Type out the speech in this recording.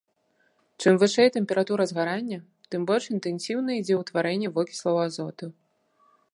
Чым вышэй тэмпература згарання, тым больш інтэнсіўна ідзе ўтварэнне вокіслаў азоту.